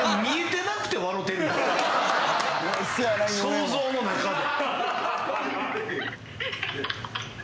想像の中で。